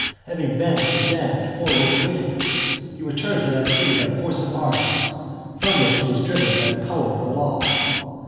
Having been condemned for which wickedness, he returned to that city by force of arms from which he was driven by the power of the law.